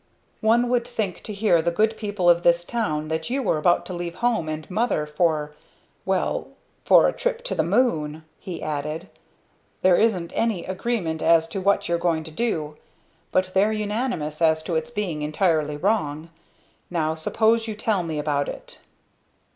"One would think to hear the good people of this town that you were about to leave home and mother for well, for a trip to the moon!" he added. "There isn't any agreement as to what you're going to do, but they're unanimous as to its being entirely wrong. Now suppose you tell me about it."